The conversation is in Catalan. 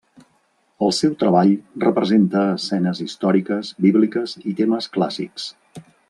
El seu treball representa escenes històriques, bíbliques i temes clàssics.